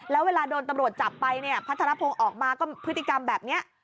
แล้วเวลาโดนตำรวจจับไปเนี่ยพัฒนภงออกมาก็พฤติกรรมแบบนี้